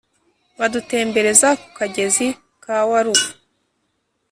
badutembereza ku kagezi ka warufu,